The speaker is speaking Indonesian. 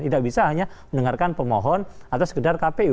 tidak bisa hanya mendengarkan pemohon atau sekedar kpu